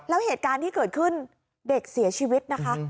แล้วเหตุการณ์ที่เกิดขึ้นเด็กเสียชีวิตนะคะ